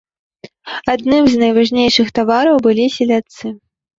Адным з найважнейшых тавараў былі селядцы.